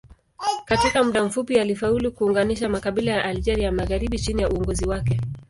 Katika muda mfupi alifaulu kuunganisha makabila ya Algeria ya magharibi chini ya uongozi wake.